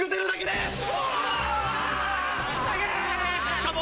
しかも。